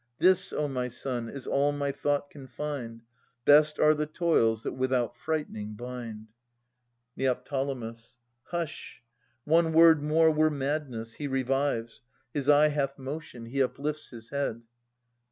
This, O my son, is all my thought can find. Best are the toils that without frightening bind. Neo. Hush ! One word more were madness. He revives. His eye hath motion. He uplifts his head.